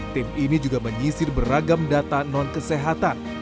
tim ini juga menyisir beragam data non kesehatan